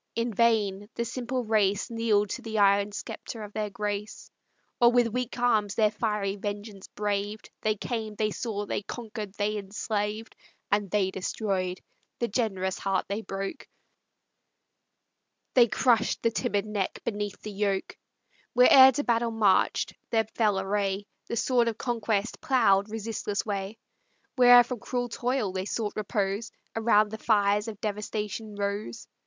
In vain the simple race Kneel'd to the iron sceptre of their grace, Or with weak arms their fiery vengeance braved; They came, they saw, they conquer'd, they enslaved, And they destroy'd; the generous heart they broke, They crush'd the timid neck beneath the yoke; Where'er to battle march'd their fell array, The sword of conquest plough'd resistless way; Where'er from cruel toil they sought repose, Around the fires of devastation rose.